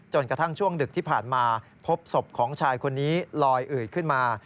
กระทั่งช่วงดึกที่ผ่านมาพบศพของชายคนนี้ลอยอืดขึ้นมา